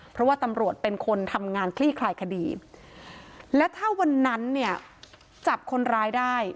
เพราะว่าตำรวจเป็นคนทำงานคลี่คลายคดีและถ้าวันนั้นเนี่ยจับคนร้ายได้